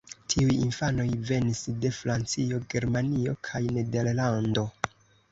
Tiuj infanoj venis de Francio, Germanio kaj Nederlando.